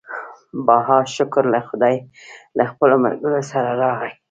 بهاشکر له خپلو ملګرو سره راغی.